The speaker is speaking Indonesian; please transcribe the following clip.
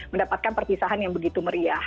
mendapatkan perpisahan yang begitu meriah